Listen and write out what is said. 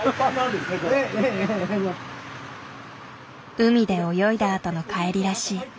海で泳いだあとの帰りらしい。